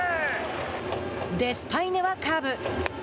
デスパイネはカーブ。